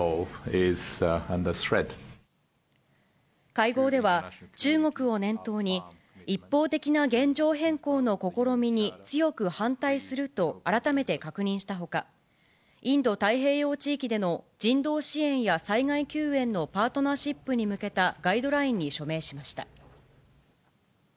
会合では、中国を念頭に一方的な現状変更の試みに強く反対すると改めて確認したほか、インド太平洋地域での人道支援や災害救援のパートナーシップに向けたガイドラインに署名しました。